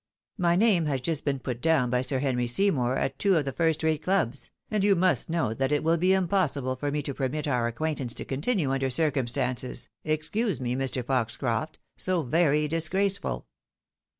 My name has just been put down by Sir Henry Seymour at two of the first rate clubs, and you must know that it wiU be impossible for me to permit our acquaintance to continue under circumstances, excuse me, Mr. Foxcroft, so very disgraceful."